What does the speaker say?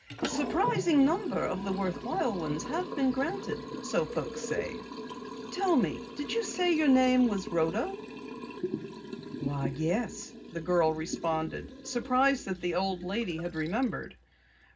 A surprising number of the worthwhile ones have been granted, so folks say. Tell me, did you say your name is Rhoda?" "Why, yes," the girl responded, surprised that the old lady had remembered.